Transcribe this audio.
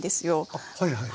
あっはいはい。